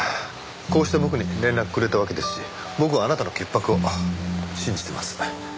こうして僕に連絡くれたわけですし僕はあなたの潔白を信じてます。